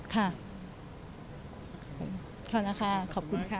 ขออนุญาตค่ะขอบคุณค่ะ